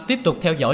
tiếp tục theo dõi